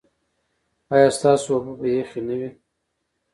ایا ستاسو اوبه به یخې نه وي؟